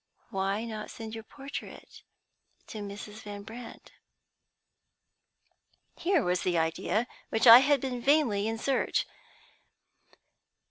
Why not send your portrait to Mrs. Van Brandt?" Here was the idea of which I had been vainly in search!